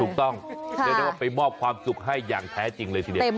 เรียกได้ว่าไปมอบความสุขให้อย่างแท้จริงเลยทีเดียว